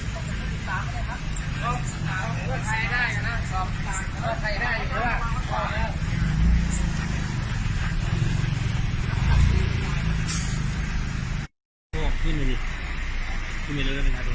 ภาษาโรงงานติดตาม